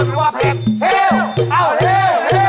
เอาเพลงเรือดีกว่า